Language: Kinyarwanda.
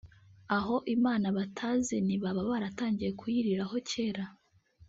aho Imana batazi ntibaba baratangiye kuyiriraho cyera